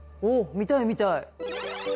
見たい見たい。